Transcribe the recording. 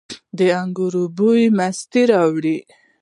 د انګورو بوی مستي راوړي.